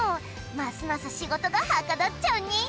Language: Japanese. ますます仕事がはかどっちゃうね